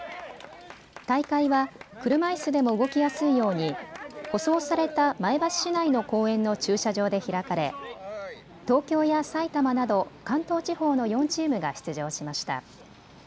大会は車いすでも動きやすいように舗装された前橋市内の公園の駐車場で開かれ東京や埼玉など関東地方の４チームが出場しました。